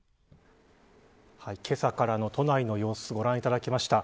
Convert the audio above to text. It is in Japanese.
今朝からの都内の様子ご覧いただきました。